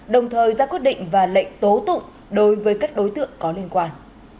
đồng thời ra quyết định và lệnh tố tụng đối với các đối tượng có liên quan